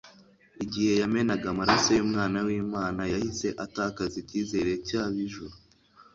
Igihe yamenaga amaraso y'Umwana w'Imana yahise atakaza icyizere cy'ab'ijuru.